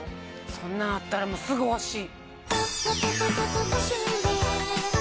そんなんあったらすぐ欲しい。